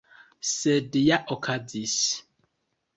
Sed ja okazis!